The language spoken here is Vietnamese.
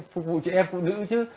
phục vụ chị em phụ nữ chứ